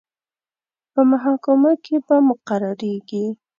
په محاکمو کې به مقرریږي.